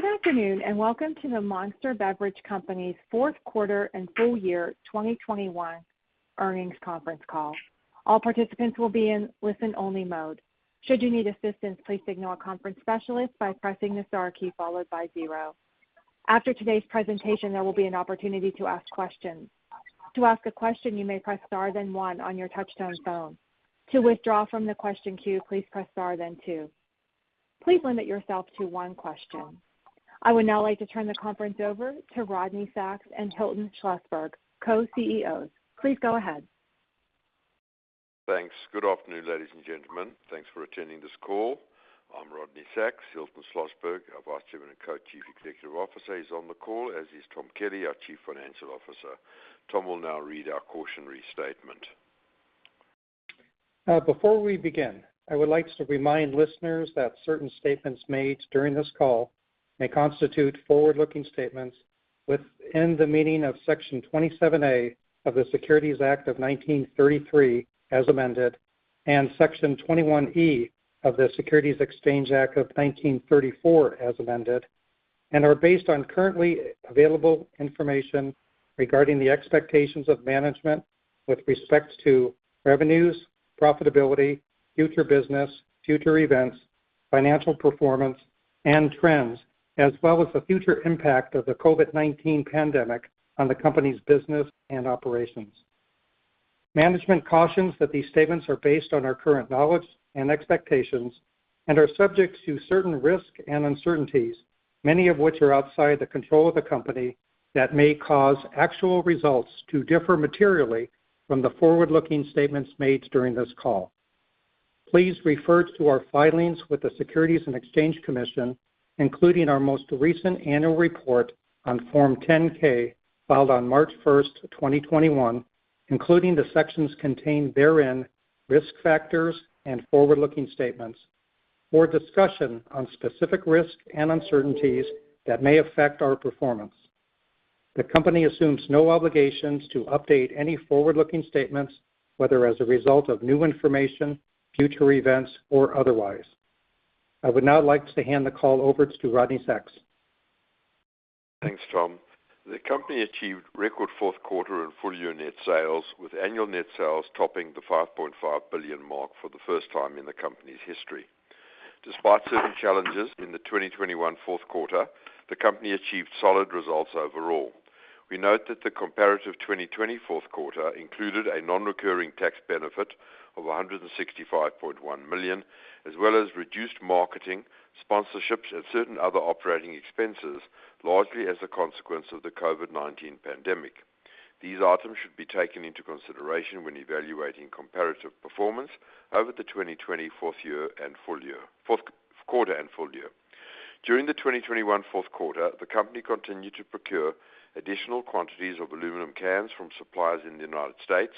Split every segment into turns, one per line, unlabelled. Good afternoon, and welcome to the Monster Beverage Company's fourth quarter and full year 2021 earnings conference call. All participants will be in listen-only mode. Should you need assistance, please signal a conference specialist by pressing the star key followed by zero. After today's presentation, there will be an opportunity to ask questions. To ask a question, you may press star then one on your touch-tone phone. To withdraw from the question queue, please press star then two. Please limit yourself to one question. I would now like to turn the conference over to Rodney Sacks and Hilton Schlosberg, Co-CEOs. Please go ahead.
Thanks. Good afternoon, ladies and gentlemen. Thanks for attending this call. I'm Rodney Sacks. Hilton Schlosberg, our Vice Chairman and Co-Chief Executive Officer, is on the call, as is Tom Kelly, our Chief Financial Officer. Tom will now read our cautionary statement.
Before we begin, I would like to remind listeners that certain statements made during this call may constitute forward-looking statements within the meaning of Section 27A of the Securities Act of 1933, as amended, and Section 21E of the Securities Exchange Act of 1934, as amended, and are based on currently available information regarding the expectations of management with respect to revenues, profitability, future business, future events, financial performance, and trends, as well as the future impact of the COVID-19 pandemic on the company's business and operations. Management cautions that these statements are based on our current knowledge and expectations and are subject to certain risk and uncertainties, many of which are outside the control of the company that may cause actual results to differ materially from the forward-looking statements made during this call. Please refer to our filings with the Securities and Exchange Commission, including our most recent annual report on Form 10-K filed on March 1, 2021, including the sections contained therein, risk factors and forward-looking statements for a discussion on specific risks and uncertainties that may affect our performance. The company assumes no obligations to update any forward-looking statements, whether as a result of new information, future events or otherwise. I would now like to hand the call over to Rodney Sacks.
Thanks, Tom. The company achieved record fourth quarter and full year net sales, with annual net sales topping the $5.5 billion mark for the first time in the company's history. Despite certain challenges in the 2021 fourth quarter, the company achieved solid results overall. We note that the comparative 2020 fourth quarter included a non-recurring tax benefit of $165.1 million, as well as reduced marketing, sponsorships and certain other operating expenses, largely as a consequence of the COVID-19 pandemic. These items should be taken into consideration when evaluating comparative performance over the 2020 fourth quarter and full year. During the 2021 fourth quarter, the company continued to procure additional quantities of aluminum cans from suppliers in the United States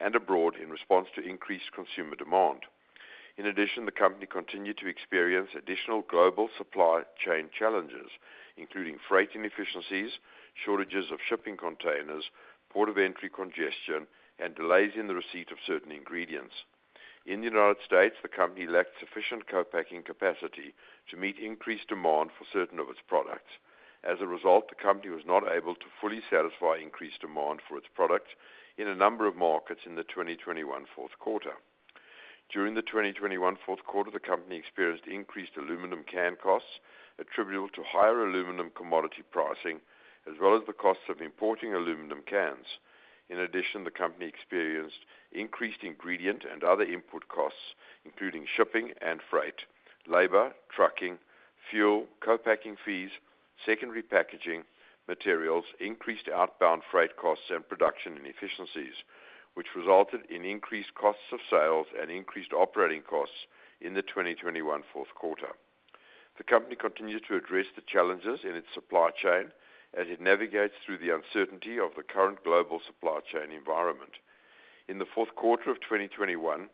and abroad in response to increased consumer demand. In addition, the company continued to experience additional global supply chain challenges, including freight inefficiencies, shortages of shipping containers, port of entry congestion, and delays in the receipt of certain ingredients. In the United States, the company lacked sufficient co-packing capacity to meet increased demand for certain of its products. As a result, the company was not able to fully satisfy increased demand for its products in a number of markets in the 2021 fourth quarter. During the 2021 fourth quarter, the company experienced increased aluminum can costs attributable to higher aluminum commodity pricing, as well as the costs of importing aluminum cans. In addition, the company experienced increased ingredient and other input costs, including shipping and freight, labor, trucking, fuel, co-packing fees, second repackaging materials, increased outbound freight costs and production inefficiencies, which resulted in increased costs of sales and increased operating costs in the 2021 fourth quarter. The company continued to address the challenges in its supply chain as it navigates through the uncertainty of the current global supply chain environment. In the fourth quarter of 2021,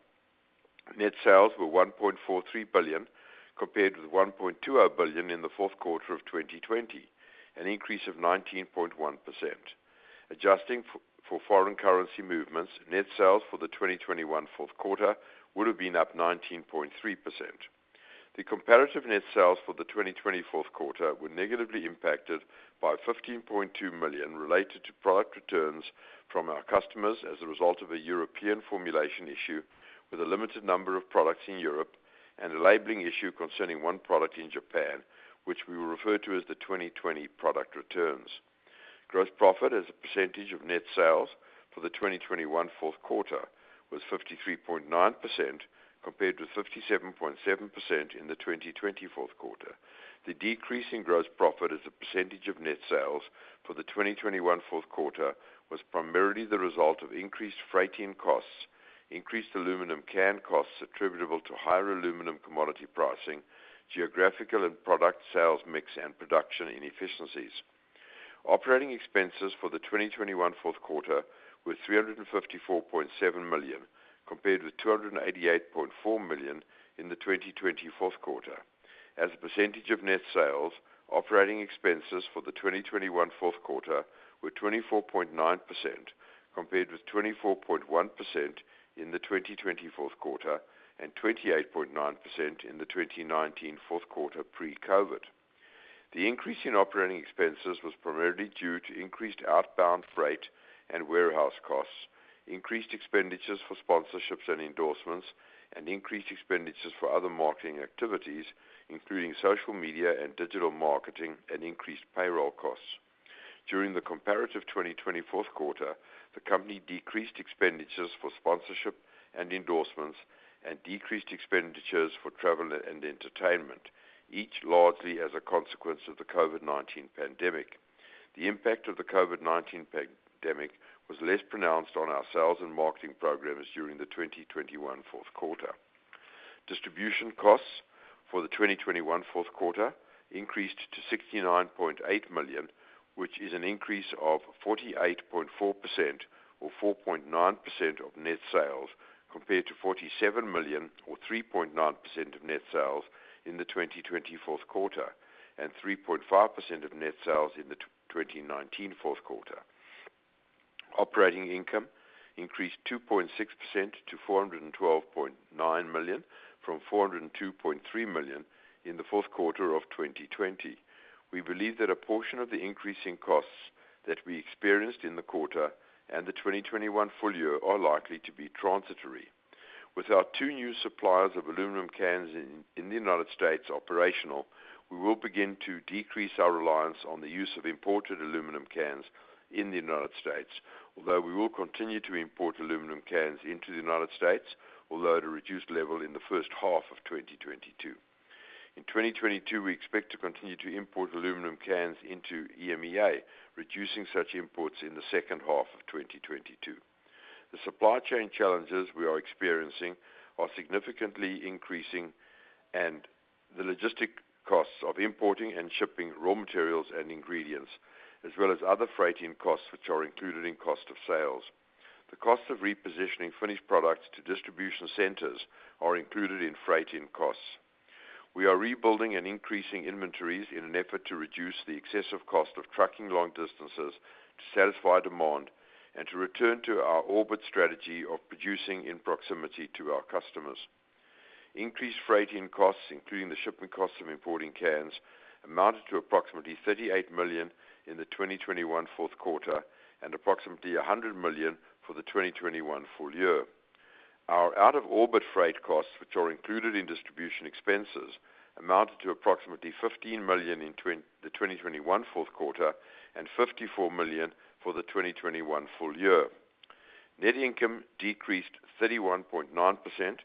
net sales were $1.43 billion, compared with $1.2 billion in the fourth quarter of 2020, an increase of 19.1%. Adjusting for foreign currency movements, net sales for the 2021 fourth quarter would have been up 19.3%. The comparative net sales for the 2020 fourth quarter were negatively impacted by $15.2 million related to product returns from our customers as a result of a European formulation issue with a limited number of products in Europe and a labeling issue concerning one product in Japan, which we will refer to as the 2020 product returns. Gross profit as a percentage of net sales for the 2021 fourth quarter was 53.9%, compared with 57.7% in the 2020 fourth quarter. The decrease in gross profit as a percentage of net sales for the 2021 fourth quarter was primarily the result of increased freight costs, increased aluminum can costs attributable to higher aluminum commodity pricing, geographical and product sales mix and production inefficiencies. Operating expenses for the 2021 fourth quarter were $354.7 million, compared with $288.4 million in the 2020 fourth quarter. As a percentage of net sales, operating expenses for the 2021 fourth quarter were 24.9%, compared with 24.1% in the 2020 fourth quarter and 28.9% in the 2019 fourth quarter pre-COVID. The increase in operating expenses was primarily due to increased outbound freight and warehouse costs, increased expenditures for sponsorships and endorsements, and increased expenditures for other marketing activities, including social media and digital marketing and increased payroll costs. During the comparative 2020 fourth quarter, the company decreased expenditures for sponsorship and endorsements and decreased expenditures for travel and entertainment, each largely as a consequence of the COVID-19 pandemic. The impact of the COVID-19 pandemic was less pronounced on our sales and marketing programs during the 2021 fourth quarter. Distribution costs for the 2021 fourth quarter increased to $69.8 million, which is an increase of 48.4% or 4.9% of net sales, compared to $47 million or 3.9% of net sales in the 2020 fourth quarter and 3.5% of net sales in the 2019 fourth quarter. Operating income increased 2.6% to $412.9 million from $402.3 million in the fourth quarter of 2020. We believe that a portion of the increase in costs that we experienced in the quarter and the 2021 full year are likely to be transitory. With our two new suppliers of aluminum cans in the United States operational, we will begin to decrease our reliance on the use of imported aluminum cans in the United States, although we will continue to import aluminum cans into the United States, although at a reduced level in the first half of 2022. In 2022, we expect to continue to import aluminum cans into EMEA, reducing such imports in the second half of 2022. The supply chain challenges we are experiencing are significantly increasing the logistics costs of importing and shipping raw materials and ingredients, as well as other freight-in costs which are included in cost of sales. The cost of repositioning finished products to distribution centers are included in freight-in costs. We are rebuilding and increasing inventories in an effort to reduce the excessive cost of trucking long distances to satisfy demand and to return to our orbit strategy of producing in proximity to our customers. Increased freight-in costs, including the shipping costs of importing cans, amounted to approximately $38 million in the 2021 fourth quarter and approximately $100 million for the 2021 full year. Our out of orbit freight costs, which are included in distribution expenses, amounted to approximately $15 million in the 2021 fourth quarter and $54 million for the 2021 full year. Net income decreased 31.9%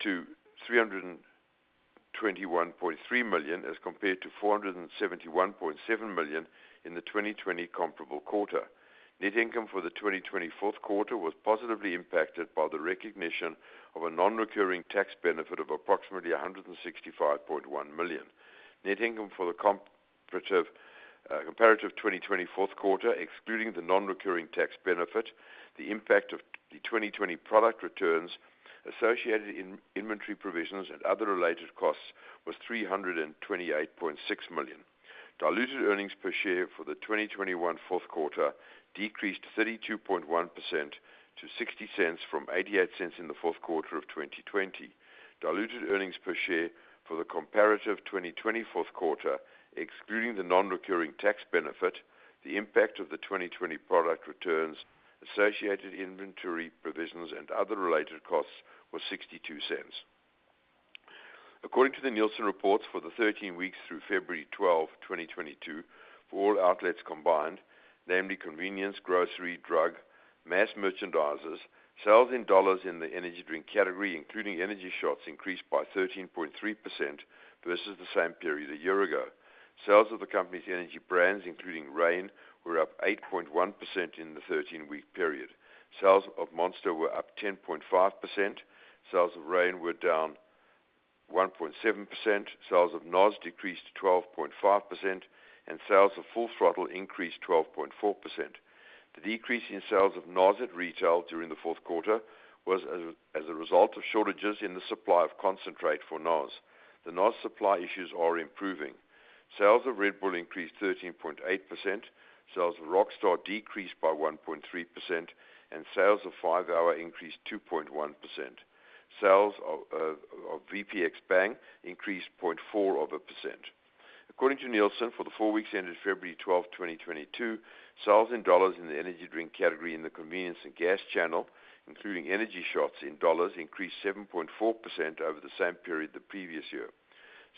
to $321.3 million as compared to $471.7 million in the 2020 comparable quarter. Net income for the 2020 fourth quarter was positively impacted by the recognition of a non-recurring tax benefit of approximately $165.1 million. Net income for the comparative 2020 fourth quarter, excluding the non-recurring tax benefit, the impact of the 2020 product returns, associated inventory provisions and other related costs was $328.6 million. Diluted earnings per share for the 2021 fourth quarter decreased 32.1% to $0.60 from $0.88 in the fourth quarter of 2020. Diluted earnings per share for the comparative 2020 fourth quarter, excluding the non-recurring tax benefit, the impact of the 2020 product returns, associated inventory provisions and other related costs was $0.62. According to the Nielsen reports for the 13 weeks through February 12, 2022, for all outlets combined, namely convenience, grocery, drug, mass merchandisers, sales in dollars in the energy drink category, including energy shots, increased by 13.3% versus the same period a year ago. Sales of the company's energy brands, including Reign, were up 8.1% in the 13-week period. Sales of Monster were up 10.5%. Sales of Reign were down 1.7%. Sales of NOS decreased 12.5%, and sales of Full Throttle increased 12.4%. The decrease in sales of NOS at retail during the fourth quarter was as a result of shortages in the supply of concentrate for NOS. The NOS supply issues are improving. Sales of Red Bull increased 13.8%. Sales of Rockstar decreased by 1.3%, and sales of 5-hour Energy increased 2.1%. Sales of VPX Bang increased 0.4%. According to Nielsen, for the four weeks ended February 12, 2022, sales in dollars in the energy drink category in the convenience and gas channel, including energy shots in dollars, increased 7.4% over the same period the previous year.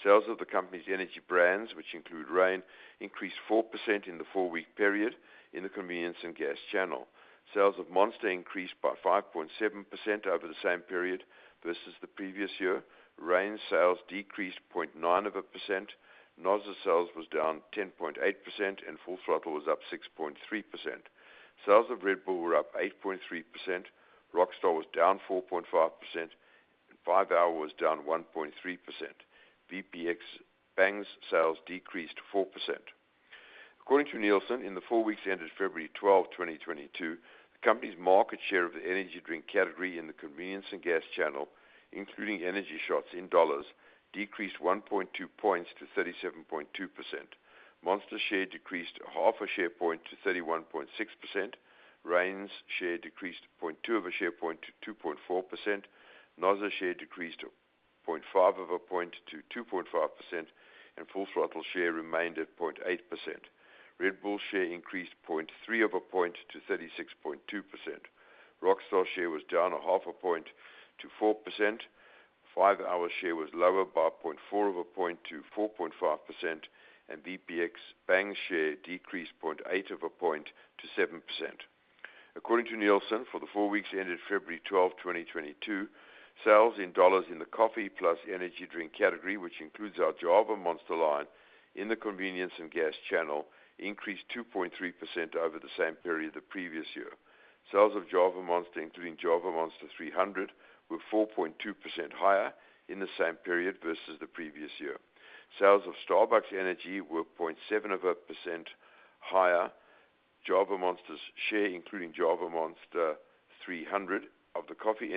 Sales of the company's energy brands, which include Reign, increased 4% in the four-week period in the convenience and gas channel. Sales of Monster increased by 5.7% over the same period versus the previous year. Reign sales decreased 0.9%. NOS's sales was down 10.8%, and Full Throttle was up 6.3%. Sales of Red Bull were up 8.3%. Rockstar was down 4.5%, and 5-hour Energy was down 1.3%. VPX Bang's sales decreased 4%. According to Nielsen, in the four weeks ended February 12, 2022, the company's market share of the energy drink category in the convenience and gas channel, including energy shots in dollars, decreased 1.2 points to 37.2%. Monster's share decreased half a share point to 31.6%. Reign's share decreased point two of a share point to 2.4%. NOS's share decreased to 0.5 of a point to 2.5% and Full Throttle share remained at 0.8%. Red Bull share increased point three of a point to 36.2%. Rockstar share was down a half a point to 4%. 5-hour share was lower by 0.4 of a point to 4.5%, and VPX Bang share decreased 0.8 of a point to 7%. According to Nielsen, for the four weeks ended February 12, 2022, sales in dollars in the coffee plus energy drink category, which includes our Java Monster line in the convenience and gas channel, increased 2.3% over the same period the previous year. Sales of Java Monster, including Java Monster 300, were 4.2% higher in the same period versus the previous year. Sales of Starbucks Energy were 0.7% higher. Java Monster's share, including Java Monster 300 of the coffee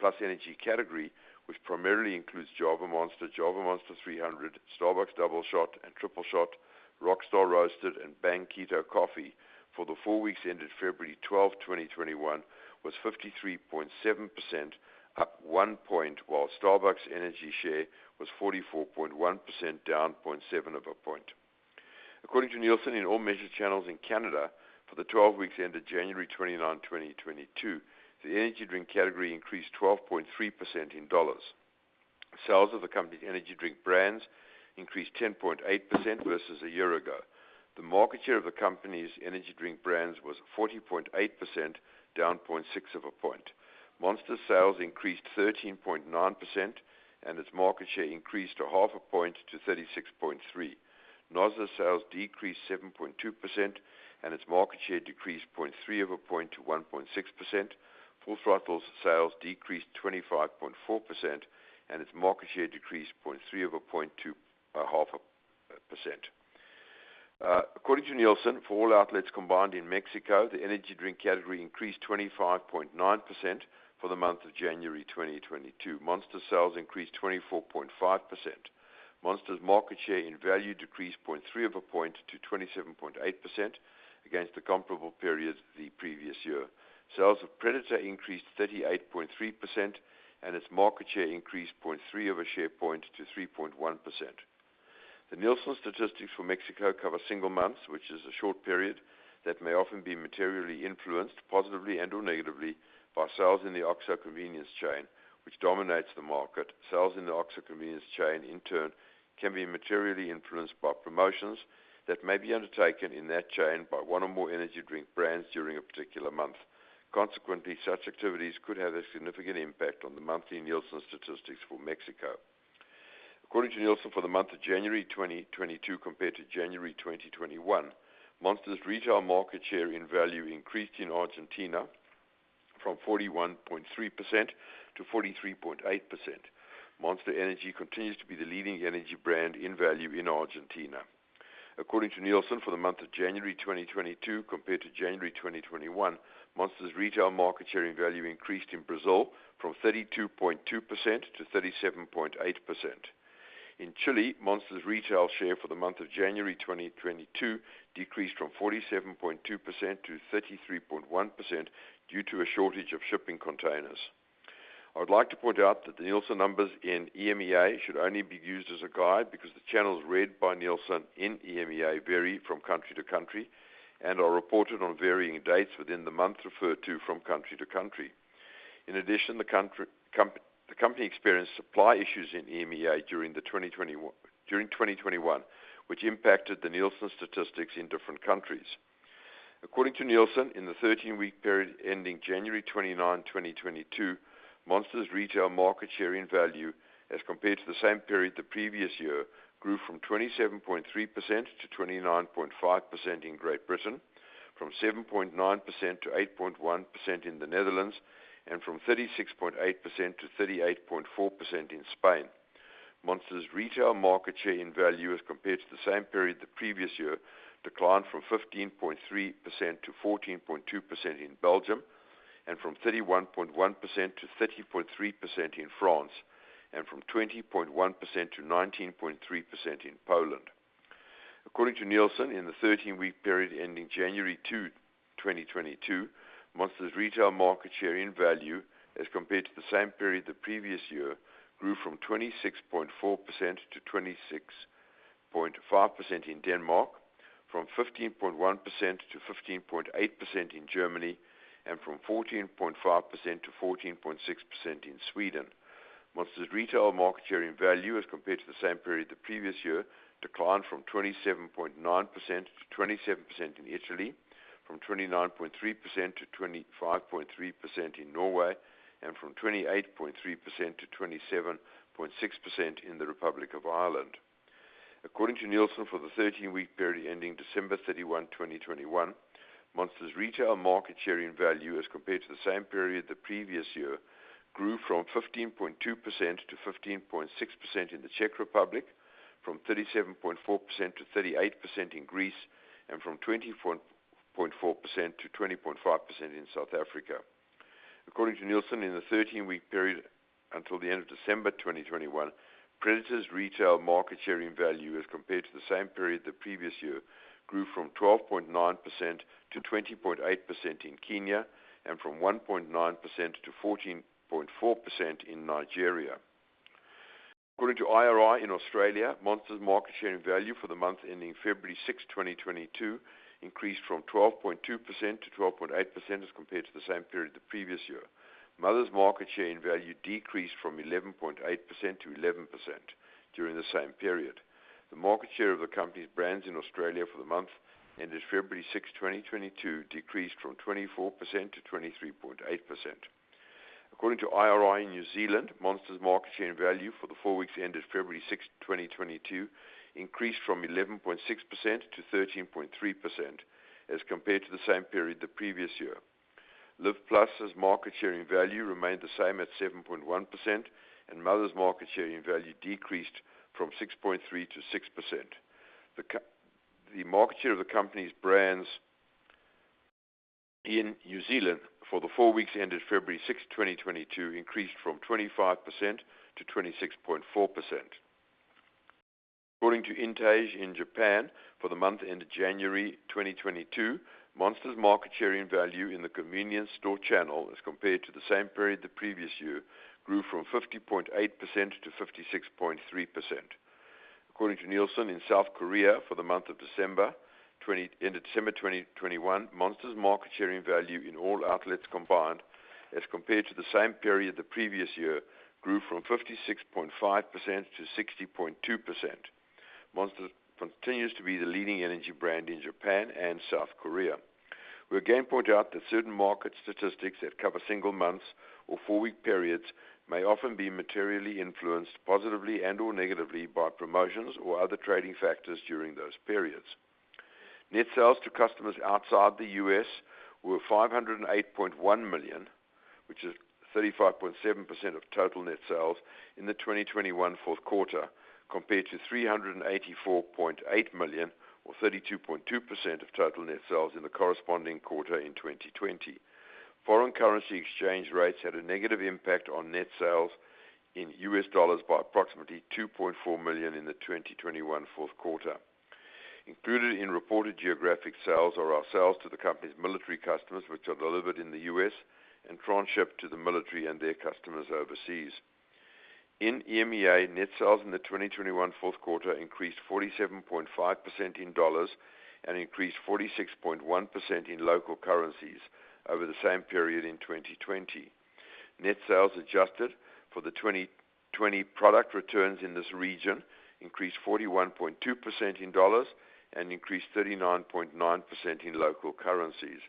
plus energy category, which primarily includes Java Monster, Java Monster 300, Starbucks Doubleshot and Tripleshot, Rockstar Roasted, and Bang Keto Coffee for the four weeks ended February 12, 2021, was 53.7%, up 1 point, while Starbucks Energy share was 44.1%, down 0.7 point. According to Nielsen, in all measured channels in Canada for the 12 weeks ended January 29, 2022, the energy drink category increased 12.3% in dollars. Sales of the company's energy drink brands increased 10.8% versus a year ago. The market share of the company's energy drink brands was 40.8%, down 0.6 point. Monster sales increased 13.9%, and its market share increased 0.5 point to 36.3. NOS sales decreased 7.2%, and its market share decreased 0.3 of a point to 1.6%. Full Throttle's sales decreased 25.4%, and its market share decreased 0.3 of a point to 0.5%. According to Nielsen, for all outlets combined in Mexico, the energy drink category increased 25.9% for the month of January 2022. Monster sales increased 24.5%. Monster's market share in value decreased 0.3 of a point to 27.8% against the comparable period the previous year. Sales of Predator increased 38.3%, and its market share increased 0.3 of a share point to 3.1%. The Nielsen statistics for Mexico cover single months, which is a short period that may often be materially influenced, positively and/or negatively, by sales in the OXXO convenience chain, which dominates the market. Sales in the OXXO convenience chain, in turn, can be materially influenced by promotions that may be undertaken in that chain by one or more energy drink brands during a particular month. Consequently, such activities could have a significant impact on the monthly Nielsen statistics for Mexico. According to Nielsen, for the month of January 2022 compared to January 2021, Monster's retail market share in value increased in Argentina from 41.3% to 43.8%. Monster Energy continues to be the leading energy brand in value in Argentina. According to Nielsen, for the month of January 2022 compared to January 2021, Monster's retail market share in value increased in Brazil from 32.2%-37.8%. In Chile, Monster's retail share for the month of January 2022 decreased from 47.2%-33.1% due to a shortage of shipping containers. I would like to point out that the Nielsen numbers in EMEA should only be used as a guide because the channels read by Nielsen in EMEA vary from country to country and are reported on varying dates within the month referred to from country to country. In addition, the company experienced supply issues in EMEA during 2021, which impacted the Nielsen statistics in different countries. According to Nielsen, in the 13-week period ending January 29, 2022, Monster's retail market share in value as compared to the same period the previous year grew from 27.3%-29.5% in Great Britain, from 7.9%-8.1% in the Netherlands, and from 36.8%-38.4% in Spain. Monster's retail market share in value as compared to the same period the previous year declined from 15.3%-14.2% in Belgium, and from 31.1%-30.3% in France, and from 20.1%-19.3% in Poland. According to Nielsen, in the 13-week period ending January 2, 2022, Monster's retail market share in value as compared to the same period the previous year grew from 26.4%-26.5% in Denmark, from 15.1%-15.8% in Germany, and from 14.5%-14.6% in Sweden. Monster's retail market share in value as compared to the same period the previous year declined from 27.9%-27% in Italy, from 29.3%-25.3% in Norway, and from 28.3%-27.6% in the Republic of Ireland. According to Nielsen, for the 13-week period ending December 31, 2021, Monster's retail market share in value as compared to the same period the previous year grew from 15.2% to 15.6% in the Czech Republic, from 37.4% to 38% in Greece, and from 24.4% to 20.5% in South Africa. According to Nielsen, in the 13-week period until the end of December 2021, Predator's retail market share in value as compared to the same period the previous year grew from 12.9% to 20.8% in Kenya and from 1.9% to 14.4% in Nigeria. According to IRI in Australia, Monster's market share in value for the month ending February 6, 2022 increased from 12.2% to 12.8% as compared to the same period the previous year. Mother's market share in value decreased from 11.8% to 11% during the same period. The market share of the company's brands in Australia for the month ended February 6, 2022 decreased from 24% to 23.8%. According to IRI in New Zealand, Monster's market share in value for the four weeks ended February 6, 2022 increased from 11.6% to 13.3% as compared to the same period the previous year. Live+ market share in value remained the same at 7.1%, and Mother's market share in value decreased from 6.3% to 6%. The market share of the company's brands in New Zealand for the four weeks ended February 6, 2022 increased from 25% to 26.4%. According to Intage in Japan for the month ended January 2022, Monster's market share in value in the convenience store channel as compared to the same period the previous year grew from 50.8% to 56.3%. According to Nielsen in South Korea for the month of December 20 ended December 2021, Monster's market share in value in all outlets combined as compared to the same period the previous year grew from 56.5% to 60.2%. Monster continues to be the leading energy brand in Japan and South Korea. We again point out that certain market statistics that cover single months or four-week periods may often be materially influenced positively and/or negatively by promotions or other trading factors during those periods. Net sales to customers outside the U.S. were $508.1 million, which is 35.7% of total net sales in the 2021 fourth quarter, compared to $384.8 million or 32.2% of total net sales in the corresponding quarter in 2020. Foreign currency exchange rates had a negative impact on net sales in U.S. dollars by approximately $2.4 million in the 2021 fourth quarter. Included in reported geographic sales are our sales to the company's military customers, which are delivered in the U.S. and transshipped to the military and their customers overseas. In EMEA, net sales in the 2021 fourth quarter increased 47.5% in dollars and increased 46.1% in local currencies over the same period in 2020. Net sales adjusted for the 2020 product returns in this region increased 41.2% in dollars and increased 39.9% in local currencies.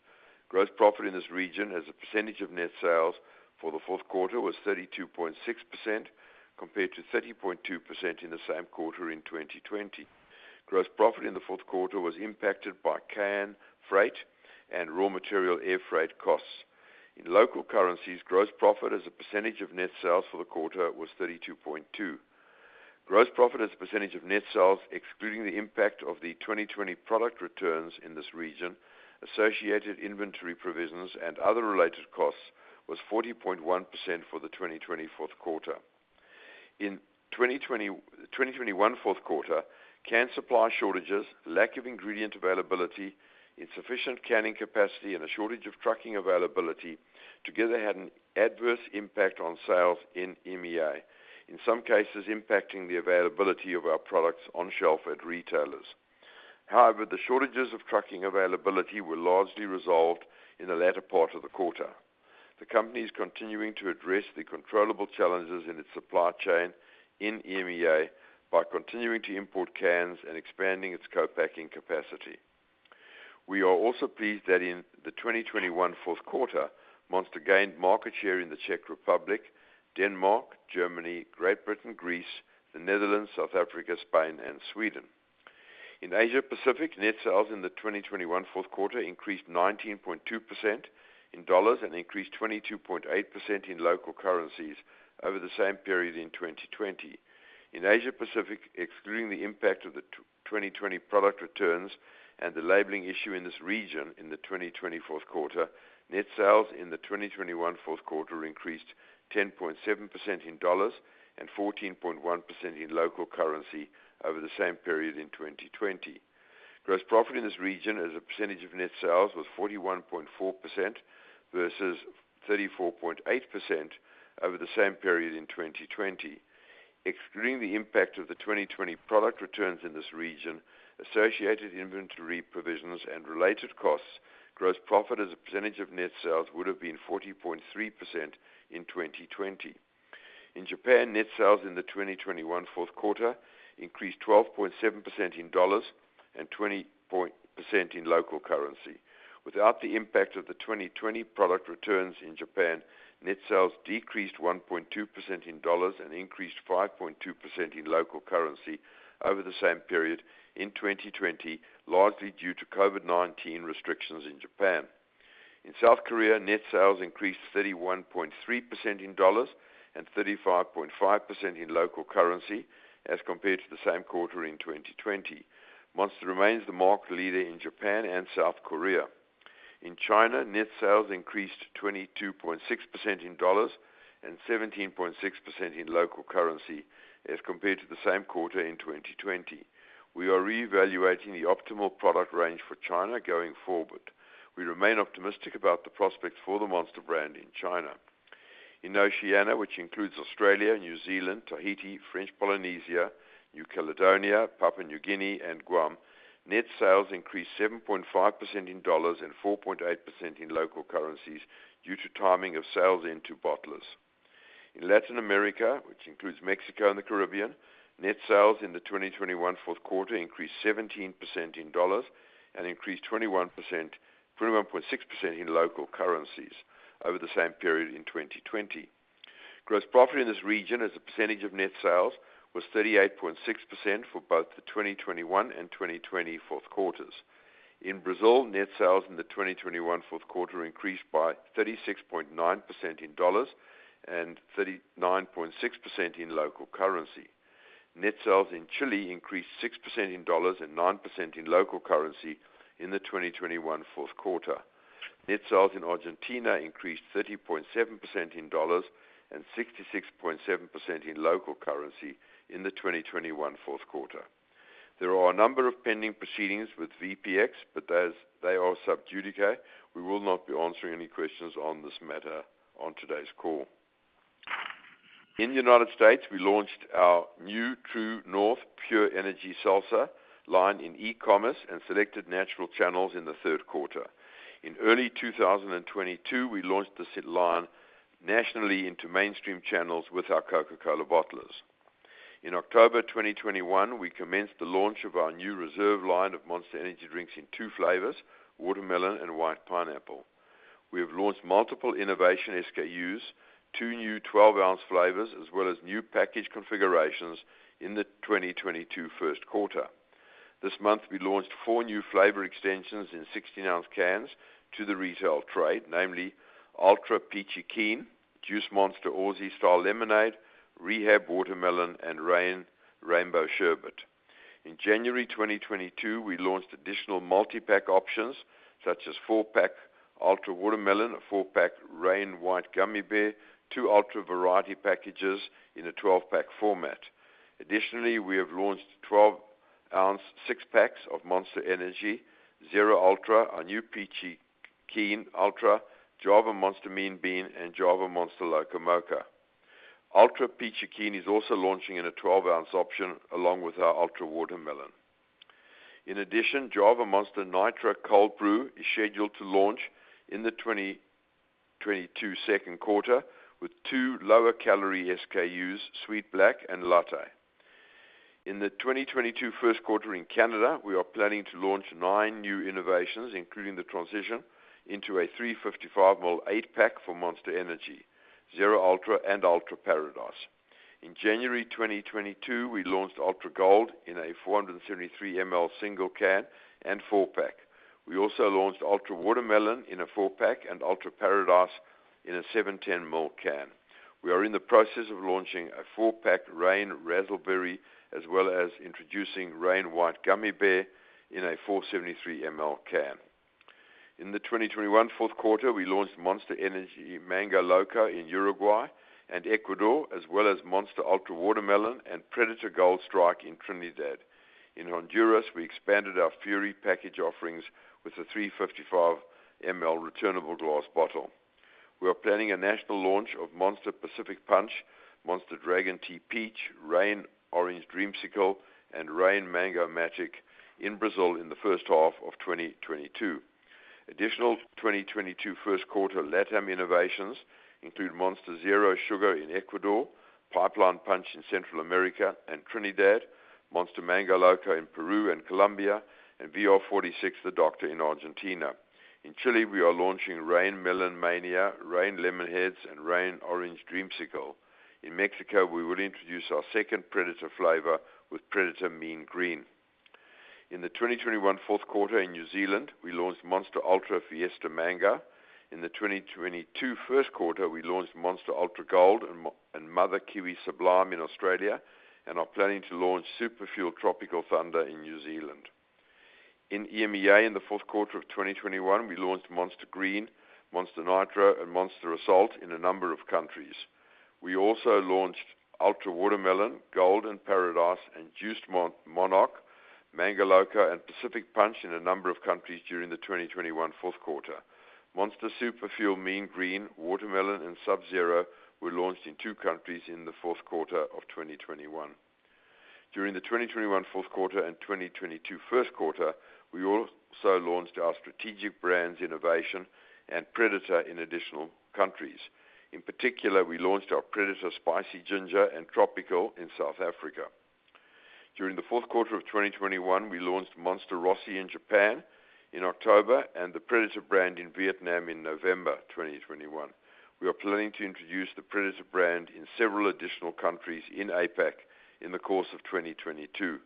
Gross profit in this region as a percentage of net sales for the fourth quarter was 32.6% compared to 30.2% in the same quarter in 2020. Gross profit in the fourth quarter was impacted by can, freight, and raw material air freight costs. In local currencies, gross profit as a percentage of net sales for the quarter was 32.2%. Gross profit as a percentage of net sales, excluding the impact of the 2020 product returns in this region, associated inventory provisions, and other related costs, was 40.1% for the 2020 fourth quarter. In 2021 fourth quarter, can supply shortages, lack of ingredient availability, insufficient canning capacity, and a shortage of trucking availability together had an adverse impact on sales in EMEA, in some cases impacting the availability of our products on shelf at retailers. However, the shortages of trucking availability were largely resolved in the latter part of the quarter. The company is continuing to address the controllable challenges in its supply chain in EMEA by continuing to import cans and expanding its co-packing capacity. We are also pleased that in the 2021 fourth quarter, Monster gained market share in the Czech Republic, Denmark, Germany, Great Britain, Greece, the Netherlands, South Africa, Spain, and Sweden. In Asia Pacific, net sales in the 2021 fourth quarter increased 19.2% in dollars and increased 22.8% in local currencies over the same period in 2020. In Asia Pacific, excluding the impact of the 2020 product returns and the labeling issue in this region in the 2020 fourth quarter, net sales in the 2021 fourth quarter increased 10.7% in dollars and 14.1% in local currency over the same period in 2020. Gross profit in this region as a percentage of net sales was 41.4% versus 34.8% over the same period in 2020. Excluding the impact of the 2020 product returns in this region, associated inventory provisions and related costs, gross profit as a percentage of net sales would have been 40.3% in 2020. In Japan, net sales in the 2021 fourth quarter increased 12.7% in dollars and 20% in local currency. Without the impact of the 2020 product returns in Japan, net sales decreased 1.2% in dollars and increased 5.2% in local currency over the same period in 2020, largely due to COVID-19 restrictions in Japan. In South Korea, net sales increased 31.3% in dollars and 35.5% in local currency as compared to the same quarter in 2020. Monster remains the market leader in Japan and South Korea. In China, net sales increased 22.6% in dollars and 17.6% in local currency as compared to the same quarter in 2020. We are reevaluating the optimal product range for China going forward. We remain optimistic about the prospects for the Monster brand in China. In Oceania, which includes Australia, New Zealand, Tahiti, French Polynesia, New Caledonia, Papua New Guinea, and Guam, net sales increased 7.5% in dollars and 4.8% in local currencies due to timing of sales into bottlers. In Latin America, which includes Mexico and the Caribbean, net sales in the 2021 fourth quarter increased 17% in dollars and increased 21.6% in local currencies over the same period in 2020. Gross profit in this region as a percentage of net sales was 38.6% for both the 2021 and 2020 fourth quarters. In Brazil, net sales in the 2021 fourth quarter increased by 36.9% in dollars and 39.6% in local currency. Net sales in Chile increased 6% in dollars and 9% in local currency in the 2021 fourth quarter. Net sales in Argentina increased 30.7% in dollars and 66.7% in local currency in the 2021 fourth quarter. There are a number of pending proceedings with VPX, but as they are sub judice, we will not be answering any questions on this matter on today's call. In the United States, we launched our new True North Pure Energy Seltzer line in e-commerce and selected natural channels in the third quarter. In early 2022, we launched this line nationally into mainstream channels with our Coca-Cola bottlers. In October 2021, we commenced the launch of our new Reserve line of Monster Energy drinks in two flavors, Watermelon and White Pineapple. We have launched multiple innovation SKUs, two new 12-ounce flavors, as well as new package configurations in the 2022 first quarter. This month we launched four new flavor extensions in 16-ounce cans to the retail trade, namely Ultra Peachy Keen, Juice Monster Aussie Style Lemonade, Rehab Watermelon, and Reign Reignbow Sherbet. In January 2022, we launched additional multi-pack options such as 4-pack Ultra Watermelon, a 4-pack Reign White Gummy Bear, two Ultra variety packages in a 12-pack format. Additionally, we have launched 12-ounce 6-packs of Monster Energy, Zero Ultra, our new Ultra Peachy Keen, Java Monster Mean Bean, and Java Monster Loca Moca. Ultra Peachy Keen is also launching in a 12-ounce option along with our Ultra Watermelon. In addition, Java Monster Nitro Cold Brew is scheduled to launch in the 2022 second quarter with 2 lower-calorie SKUs, Sweet Black and Latte. In the 2022 first quarter in Canada, we are planning to launch 9 new innovations, including the transition into a 355 ml 8-pack for Monster Energy, Zero Ultra, and Ultra Paradise. In January 2022, we launched Ultra Gold in a 473 ml single can and 4-pack. We also launched Ultra Watermelon in a 4-pack and Ultra Paradise in a 710 ml can. We are in the process of launching a 4-pack Reign Razzle Berry, as well as introducing Reign White Gummy Bear in a 473 ml can. In the 2021 fourth quarter, we launched Monster Energy Mango Loca in Uruguay and Ecuador, as well as Monster Ultra Watermelon and Predator Gold Strike in Trinidad. In Honduras, we expanded our Fury package offerings with a 355 ml returnable glass bottle. We are planning a national launch of Monster Pipeline Punch, Monster Dragon Tea Peach, Reign Orange Dreamsicle, and Reign Mang-O-Matic in Brazil in the first half of 2022. Additional 2022 first-quarter LatAm innovations include Monster Zero Sugar in Ecuador, Pipeline Punch in Central America and Trinidad, Monster Mango Loca in Peru and Colombia, and VR46 The Doctor in Argentina. In Chile, we are launching Reign Melon Mania, Reign Lemon HDZ, and Reign Orange Dreamsicle. In Mexico, we will introduce our second Predator flavor with Predator Mean Green. In the 2021 fourth quarter in New Zealand, we launched Monster Ultra Fiesta Mango. In the 2022 first quarter, we launched Monster Ultra Gold and Mother Kiwi Sublime in Australia and are planning to launch Super Fuel Tropical Thunder in New Zealand. In EMEA, in the fourth quarter of 2021, we launched Monster Green, Monster Nitro and Monster Assault in a number of countries. We also launched Ultra Watermelon, Gold and Paradise and Juiced Monarch, Mango Loca and Pacific Punch in a number of countries during the 2021 fourth quarter. Monster Super Fuel Mean Green, Watermelon and Sub Zero were launched in two countries in the fourth quarter of 2021. During the 2021 fourth quarter and 2022 first quarter, we also launched our strategic brands Innovation and Predator in additional countries. In particular, we launched our Predator Spicy Ginger and Tropical in South Africa. During the fourth quarter of 2021, we launched Monster Rossi in Japan in October and the Predator brand in Vietnam in November 2021. We are planning to introduce the Predator brand in several additional countries in APAC in the course of 2022.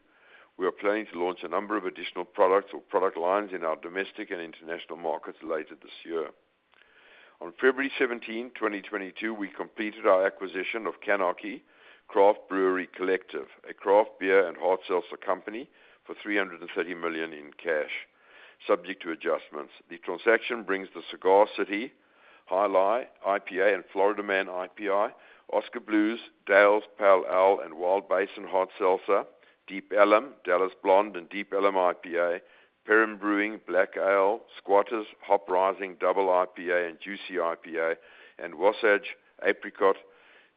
We are planning to launch a number of additional products or product lines in our domestic and international markets later this year. On February 17, 2022, we completed our acquisition of CANarchy Craft Brewery Collective, a craft beer and hard seltzer company, for $330 million in cash subject to adjustments. The transaction brings the Cigar City Brewing, Jai Alai IPA and Florida Man IPA, Oskar Blues, Dale's Pale Ale, and Wild Basin Hard Seltzer. Deep Ellum, Dallas Blonde and Deep Ellum IPA, Perrin Brewing Black Ale, Squatters Hop Rising Double IPA and Juicy IPA, and Wasatch Apricot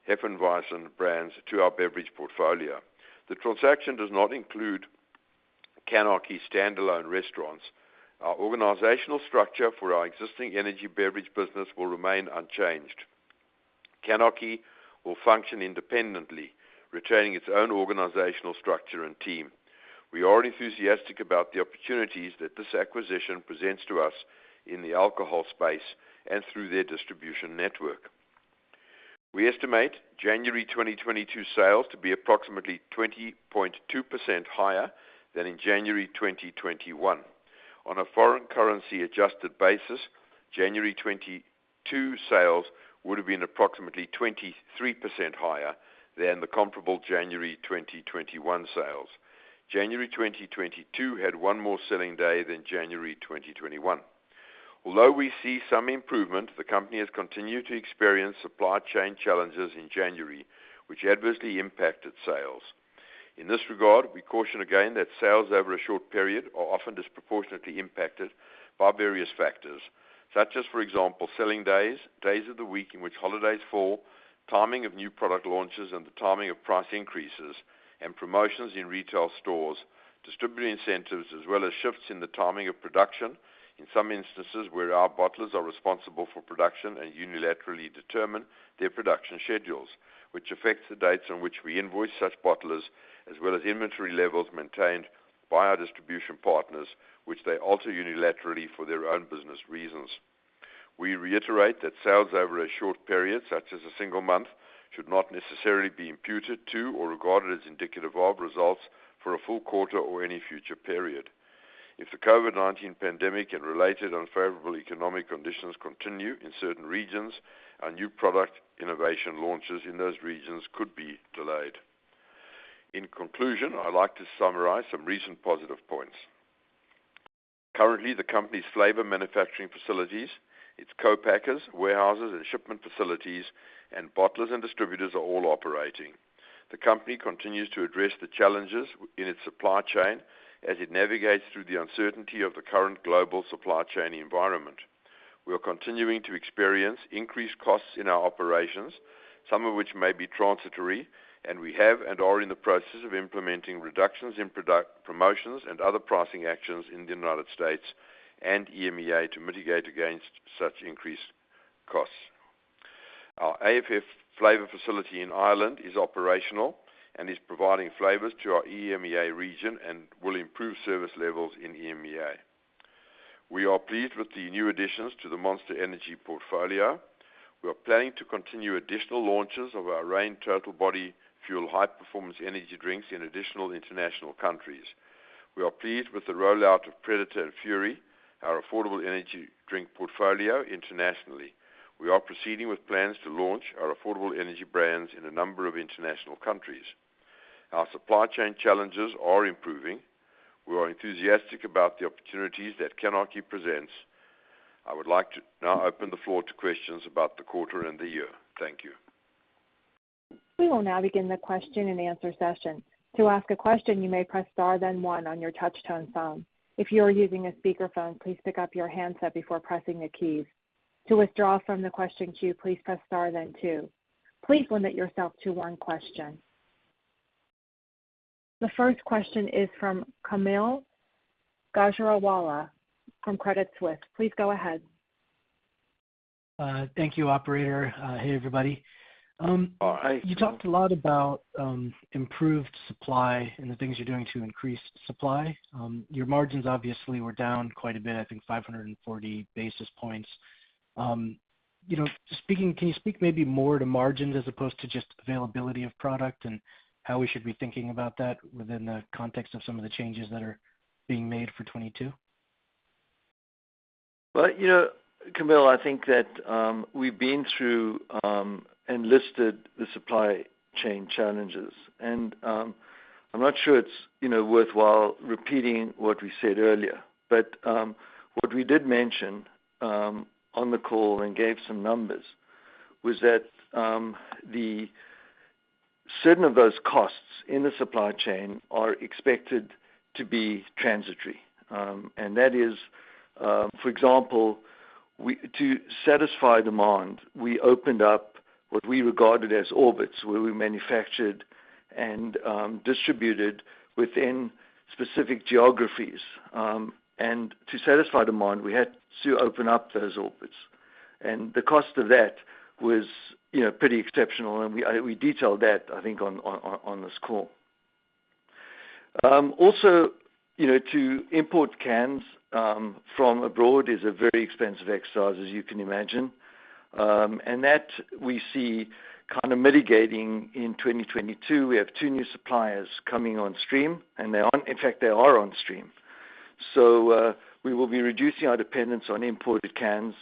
Hefeweizen brands to our beverage portfolio. The transaction does not include CANarchy standalone restaurants. Our organizational structure for our existing energy beverage business will remain unchanged. CANarchy will function independently, retaining its own organizational structure and team. We are enthusiastic about the opportunities that this acquisition presents to us in the alcohol space and through their distribution network. We estimate January 2022 sales to be approximately 20.2% higher than in January 2021. On a foreign currency adjusted basis, January 2022 sales would have been approximately 23% higher than the comparable January 2021 sales. January 2022 had one more selling day than January 2021. Although we see some improvement, the company has continued to experience supply chain challenges in January, which adversely impacted sales. In this regard, we caution again that sales over a short period are often disproportionately impacted by various factors, such as, for example, selling days of the week in which holidays fall, timing of new product launches, and the timing of price increases and promotions in retail stores, distributor incentives, as well as shifts in the timing of production in some instances where our bottlers are responsible for production and unilaterally determine their production schedules, which affects the dates on which we invoice such bottlers, as well as inventory levels maintained by our distribution partners, which they alter unilaterally for their own business reasons. We reiterate that sales over a short period, such as a single month, should not necessarily be imputed to or regarded as indicative of results for a full quarter or any future period. If the COVID-19 pandemic and related unfavorable economic conditions continue in certain regions, our new product innovation launches in those regions could be delayed. In conclusion, I'd like to summarize some recent positive points. Currently, the company's flavor manufacturing facilities, its co-packers, warehouses, and shipment facilities, and bottlers and distributors are all operating. The company continues to address the challenges in its supply chain as it navigates through the uncertainty of the current global supply chain environment. We are continuing to experience increased costs in our operations, some of which may be transitory, and we have and are in the process of implementing reductions in product promotions and other pricing actions in the United States and EMEA to mitigate against such increased costs. Our AFF flavor facility in Ireland is operational and is providing flavors to our EMEA region and will improve service levels in EMEA. We are pleased with the new additions to the Monster Energy portfolio. We are planning to continue additional launches of our Reign Total Body Fuel high-performance energy drinks in additional international countries. We are pleased with the rollout of Predator and Fury, our affordable energy drink portfolio internationally. We are proceeding with plans to launch our affordable energy brands in a number of international countries. Our supply chain challenges are improving. We are enthusiastic about the opportunities that CANarchy presents. I would like to now open the floor to questions about the quarter and the year. Thank you.
We will now begin the question and answer session. To ask a question, you may press star then one on your touch-tone phone. If you are using a speakerphone, please pick up your handset before pressing the keys. To withdraw from the question queue, please press star then two. Please limit yourself to one question. The first question is from Kaumil Gajrawala from Credit Suisse. Please go ahead.
Thank you, operator. Hey, everybody. You talked a lot about improved supply and the things you're doing to increase supply. Your margins obviously were down quite a bit, I think 540 basis points. You know, can you speak maybe more to margins as opposed to just availability of product and how we should be thinking about that within the context of some of the changes that are being made for 2022?
Well, you know, Kaumil, I think that we've been through and listed the supply chain challenges, and I'm not sure it's, you know, worthwhile repeating what we said earlier. What we did mention on the call and gave some numbers was that certain of those costs in the supply chain are expected to be transitory. That is, for example, to satisfy demand, we opened up what we regarded as orbits, where we manufactured and distributed within specific geographies. To satisfy demand, we had to open up those orbits. The cost of that was, you know, pretty exceptional, and we detailed that, I think, on this call. Also, you know, to import cans from abroad is a very expensive exercise, as you can imagine. That we see kind of mitigating in 2022. We have two new suppliers coming on stream, and they are on stream. We will be reducing our dependence on imported cans,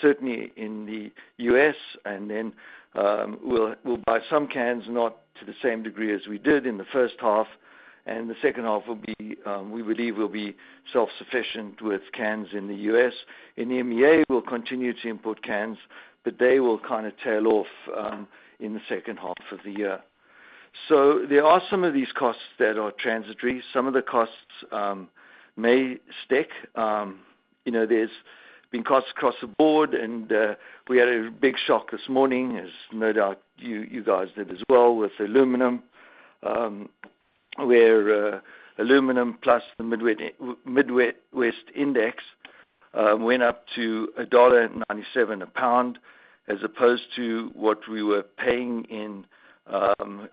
certainly in the U.S., and then, we'll buy some cans, not to the same degree as we did in the first half, and the second half will be, we believe, self-sufficient with cans in the U.S. In EMEA, we'll continue to import cans, but they will kind of tail off, in the second half of the year. There are some of these costs that are transitory. Some of the costs may stick. You know, there's been costs across the board and we had a big shock this morning as no doubt you guys did as well with aluminum, where aluminum plus the Midwest Index went up to $1.97 a pound as opposed to what we were paying in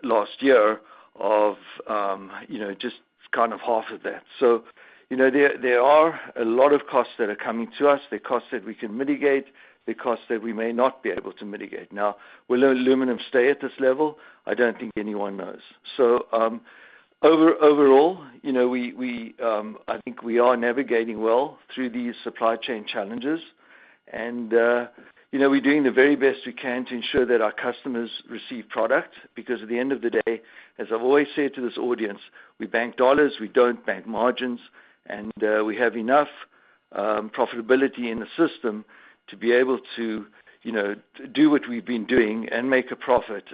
last year of you know just kind of half of that. You know, there are a lot of costs that are coming to us, the costs that we can mitigate, the costs that we may not be able to mitigate. Now, will aluminum stay at this level? I don't think anyone knows. Overall, you know, I think we are navigating well through these supply chain challenges and, you know, we're doing the very best we can to ensure that our customers receive product. Because at the end of the day, as I've always said to this audience, we bank dollars, we don't bank margins. We have enough profitability in the system to be able to, you know, do what we've been doing and make a profit.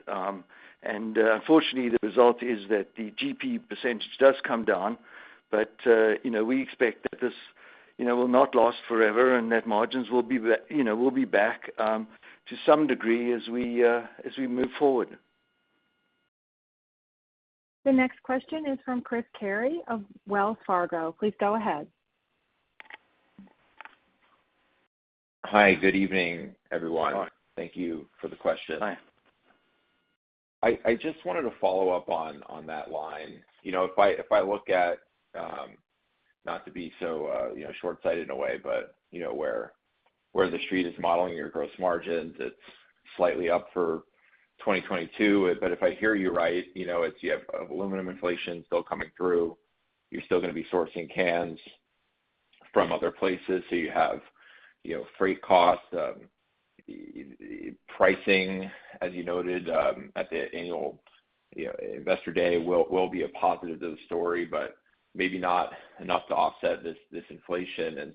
Unfortunately, the result is that the GP percentage does come down. We expect that this, you know, will not last forever and that margins will be back, you know, to some degree as we move forward.
The next question is from Chris Carey of Wells Fargo. Please go ahead.
Hi, good evening, everyone.
Hi.
Thank you for the question. I just wanted to follow up on that line. You know, if I look at, not to be so, you know, shortsighted in a way, but you know, where the Street is modeling your gross margins, it's slightly up for 2022. If I hear you right, you know, it's you have aluminum inflation still coming through. You're still gonna be sourcing cans from other places. You have, you know, freight costs, pricing, as you noted, at the annual, you know, Investor Day will be a positive to the story, but maybe not enough to offset this inflation.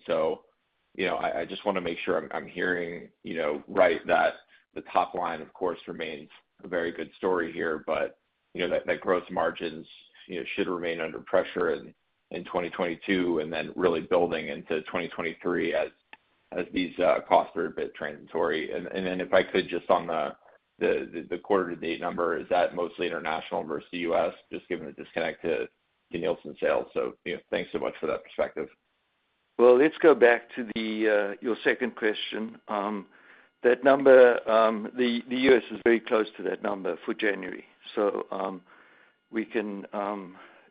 I just wanna make sure I'm hearing you know right, that the top line, of course, remains a very good story here, but you know that gross margins you know should remain under pressure in 2022 and then really building into 2023 as these costs are a bit transitory. Then if I could just on the quarter to date number, is that mostly international versus the U.S. just given the disconnect to the Nielsen sales. You know, thanks so much for that perspective.
Well, let's go back to your second question. That number, the U.S. is very close to that number for January. We can,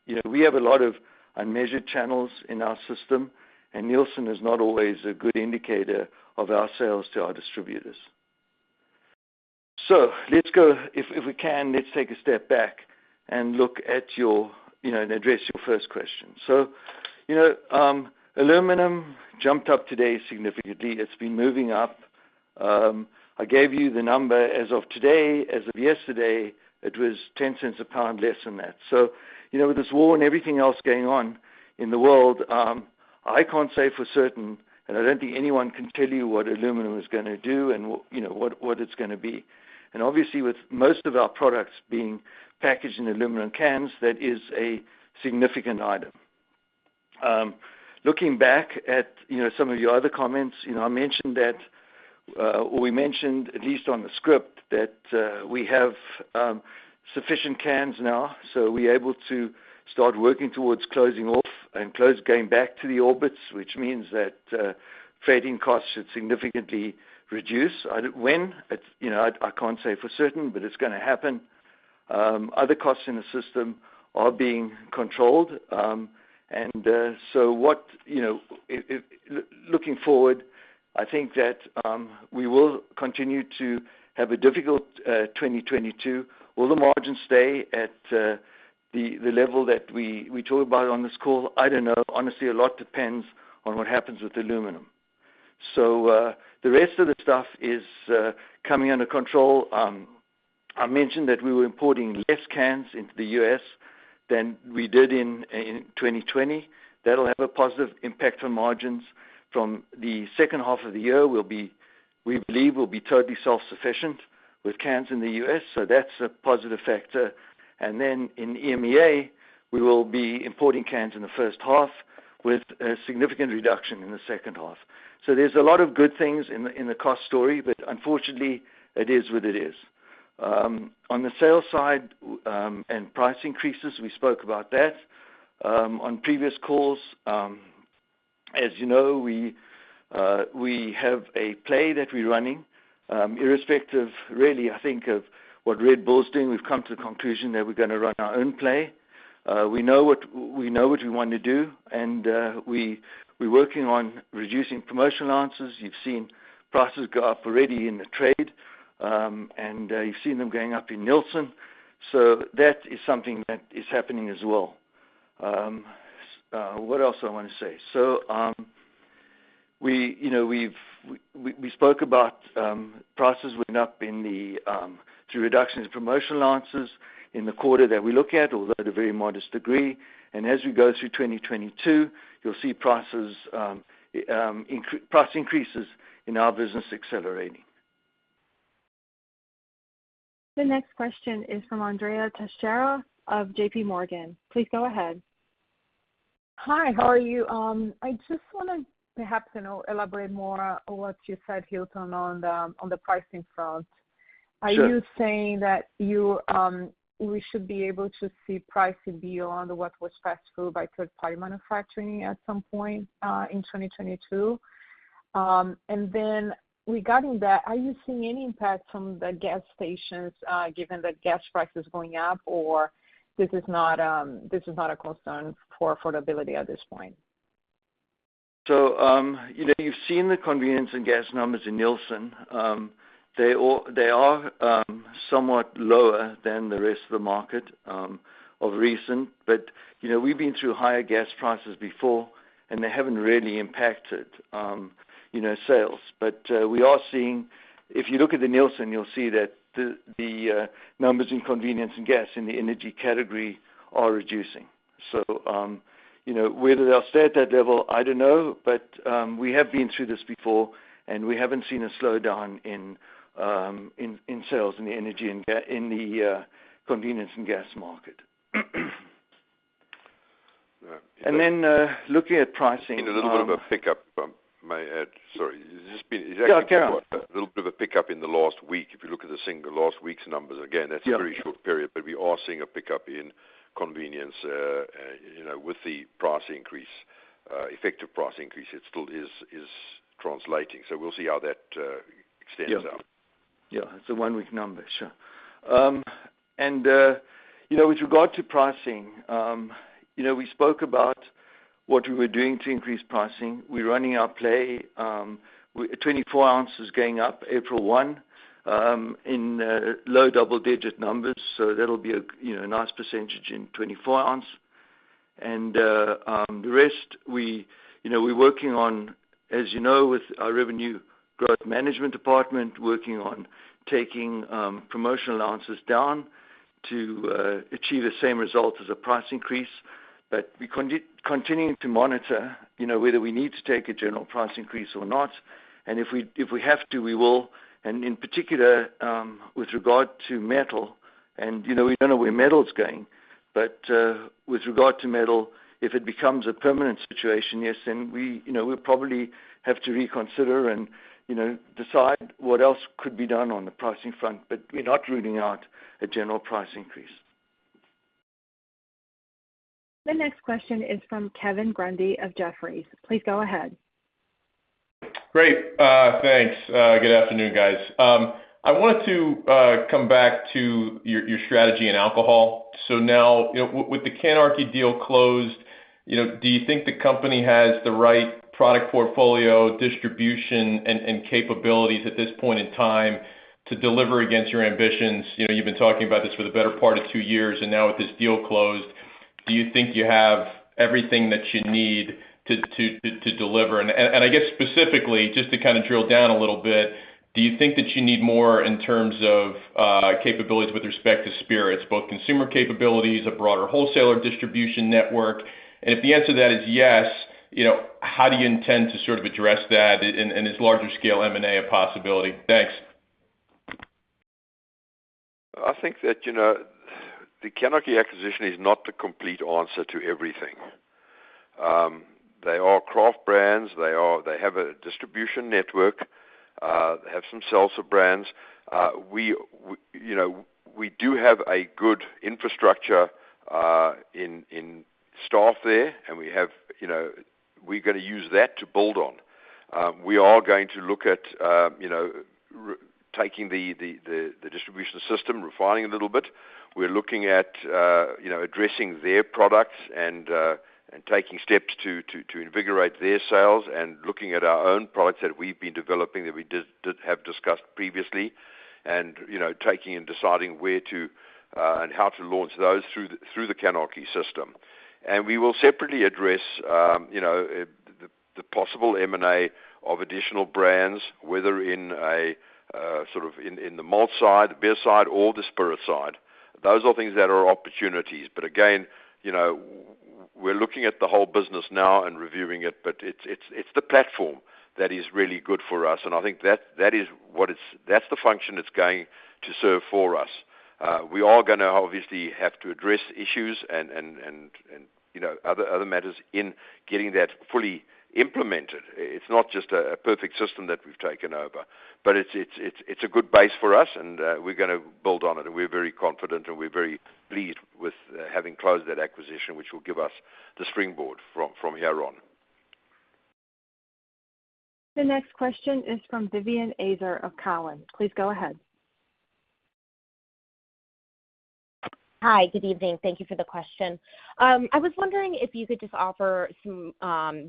you know, we have a lot of unmeasured channels in our system, and Nielsen is not always a good indicator of our sales to our distributors. If we can, let's take a step back and look at your, you know, and address your first question. You know, aluminum jumped up today significantly. It's been moving up. I gave you the number as of today. As of yesterday, it was $0.10 a pound less than that. With this war and everything else going on in the world, I can't say for certain, and I don't think anyone can tell you what aluminum is gonna do and what, you know, it's gonna be. Obviously with most of our products being packaged in aluminum cans, that is a significant item. Looking back at, you know, some of your other comments, you know, I mentioned that, or we mentioned at least on the script that, we have sufficient cans now, so we're able to start working towards closing off and going back to our bids, which means that freighting costs should significantly reduce. I don't know when it's, you know, I can't say for certain, but it's gonna happen. Other costs in the system are being controlled. Looking forward, I think that we will continue to have a difficult 2022. Will the margins stay at the level that we talk about on this call? I don't know. Honestly, a lot depends on what happens with aluminum. The rest of the stuff is coming under control. I mentioned that we were importing less cans into the U.S. than we did in 2020. That'll have a positive impact on margins. From the second half of the year, we believe we'll be totally self-sufficient with cans in the U.S., so that's a positive factor. Then in EMEA, we will be importing cans in the first half with a significant reduction in the second half. There's a lot of good things in the cost story, but unfortunately it is what it is. On the sales side, and price increases, we spoke about that on previous calls. As you know, we have a play that we're running, irrespective really I think of what Red Bull's doing. We've come to the conclusion that we're gonna run our own play. We know what we want to do and we're working on reducing promotional allowances. You've seen prices go up already in the trade, and you've seen them going up in Nielsen. That is something that is happening as well. What else do I wanna say? We, you know, we've...we spoke about prices going up through reduction in promotional allowances in the quarter that we look at, although at a very modest degree. As we go through 2022, you'll see price increases in our business accelerating.
The next question is from Andrea Teixeira of JP Morgan. Please go ahead.
Hi, how are you? I just wanna perhaps, you know, elaborate more on what you said, Hilton, on the pricing front.
Sure.
Are you saying that you, we should be able to see pricing beyond what was passed through by third-party manufacturing at some point in 2022? Regarding that, are you seeing any impact from the gas stations given that gas price is going up or this is not a concern for affordability at this point?
You know, you've seen the convenience and gas numbers in Nielsen. They are somewhat lower than the rest of the market recently. You know, we've been through higher gas prices before, and they haven't really impacted, you know, sales. We are seeing. If you look at the Nielsen, you'll see that the numbers in convenience and gas in the energy category are reducing. Whether they'll stay at that level, I don't know, but we have been through this before, and we haven't seen a slowdown in sales in the convenience and gas market. Looking at pricing.
Seeing a little bit of a pickup, may I add. Sorry. There's been Yeah, go on. A little bit of a pickup in the last week. If you look at the single last week's numbers, again, that's a pretty short period. Yeah. We are seeing a pickup in convenience, you know, with the price increase, effective price increase. It still is translating. We'll see how that extends out.
Yeah. Yeah. It's a one-week number. Sure. You know, with regard to pricing, you know, we spoke about what we were doing to increase pricing. We're running our play with 24 ounces going up April 1 in low double-digit numbers. So that'll be a you know, nice percentage in 24 ounce. The rest, we you know, we're working on, as you know, with our revenue growth management department, working on taking promotional ounces down to achieve the same result as a price increase. We continuing to monitor you know, whether we need to take a general price increase or not. If we have to, we will. In particular, with regard to metal and you know, we don't know where metal's going. with regard to metal, if it becomes a permanent situation, yes, then we, you know, we'll probably have to reconsider and, you know, decide what else could be done on the pricing front. We're not ruling out a general price increase.
The next question is from Kevin Grundy of Jefferies. Please go ahead.
Great. Thanks. Good afternoon, guys. I wanted to come back to your strategy in alcohol. Now, you know, with the CANarchy deal closed, you know, do you think the company has the right product portfolio, distribution, and capabilities at this point in time to deliver against your ambitions? You know, you've been talking about this for the better part of two years, and now with this deal closed, do you think you have everything that you need to deliver? I guess specifically, just to kinda drill down a little bit, do you think that you need more in terms of capabilities with respect to spirits, both consumer capabilities, a broader wholesaler distribution network? And if the answer to that is yes, you know, how do you intend to sort of address that? Is larger scale M&A a possibility? Thanks.
I think that, you know, the CANarchy acquisition is not the complete answer to everything. They are craft brands. They have a distribution network, they have some seltzer brands. We, you know, we do have a good infrastructure in place there, and we have, you know. We're gonna use that to build on. We are going to look at, you know, taking the distribution system, refining a little bit. We're looking at, you know, addressing their products and taking steps to invigorate their sales and looking at our own products that we've been developing, that we did have discussed previously. You know, taking and deciding where to and how to launch those through the CANarchy system. We will separately address, you know, the possible M&A of additional brands, whether in a sort of in the malt side, beer side or the spirit side. Those are things that are opportunities. Again, you know, we're looking at the whole business now and reviewing it, but it's the platform that is really good for us. I think that is what it's. That's the function it's going to serve for us. We are gonna obviously have to address issues and, you know, other matters in getting that fully implemented. It's not just a perfect system that we've taken over. It's a good base for us, and we're gonna build on it. We're very confident, and we're very pleased with having closed that acquisition, which will give us the springboard from here on.
The next question is from Vivien Azer of Cowen. Please go ahead.
Hi. Good evening. Thank you for the question. I was wondering if you could just offer some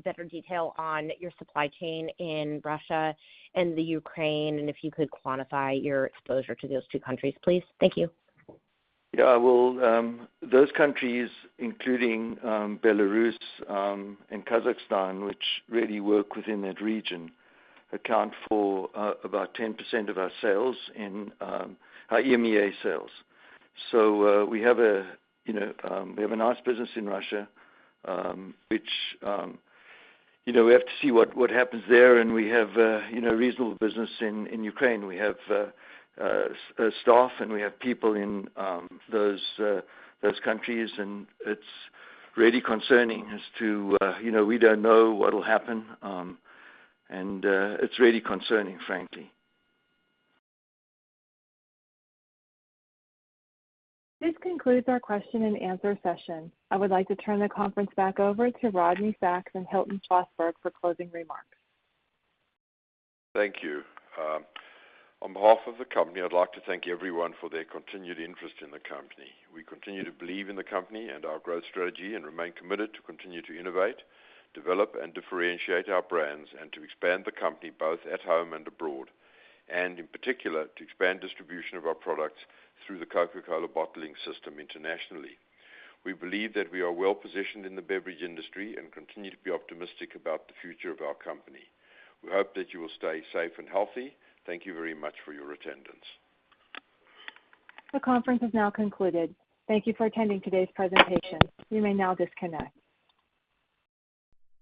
better detail on your supply chain in Russia and the Ukraine, and if you could quantify your exposure to those two countries, please. Thank you.
Yeah. Well, those countries, including Belarus and Kazakhstan, which really work within that region, account for about 10% of our sales in our EMEA sales. We have a nice business in Russia, which we have to see what happens there. We have a reasonable business in Ukraine. We have staff, and we have people in those countries, and it's really concerning as to we don't know what'll happen. It's really concerning, frankly.
This concludes our question and answer session. I would like to turn the conference back over to Rodney Sacks and Hilton Schlosberg for closing remarks.
Thank you. On behalf of the company, I'd like to thank everyone for their continued interest in the company. We continue to believe in the company and our growth strategy and remain committed to continue to innovate, develop, and differentiate our brands and to expand the company both at home and abroad, and in particular, to expand distribution of our products through the Coca-Cola bottling system internationally. We believe that we are well-positioned in the beverage industry and continue to be optimistic about the future of our company. We hope that you will stay safe and healthy. Thank you very much for your attendance.
The conference has now concluded. Thank you for attending today's presentation. You may now disconnect.